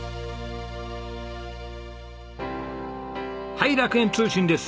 はい楽園通信です。